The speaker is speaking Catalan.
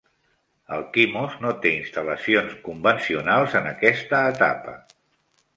Alkimos no té instal·lacions convencionals en aquesta etapa.